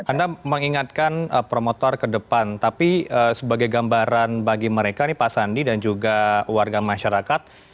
anda mengingatkan promotor ke depan tapi sebagai gambaran bagi mereka nih pak sandi dan juga warga masyarakat